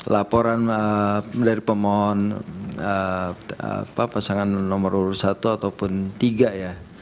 laporan dari pemohon pasangan nomor urut satu ataupun tiga ya